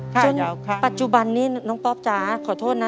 จนปัจจุบันนี้น้องป๊อปจ๋าขอโทษนะ